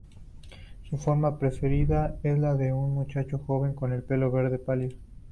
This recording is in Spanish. Su forma preferida es la de un muchacho joven con el pelo verde pálido.